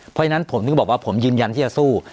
เพราะฉะนั้นผมถึงก็บอกว่าผมยืนยันที่จะสู้